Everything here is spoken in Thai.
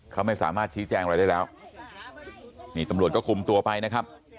เขาไม่สามารถชี้แจงอะไรได้แล้วนี่ตำรวจก็คุมตัวไปนะครับ